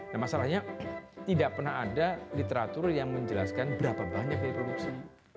nah masalahnya tidak pernah ada literatur yang menjelaskan berapa banyak yang produksi